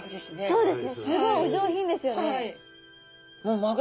そうです。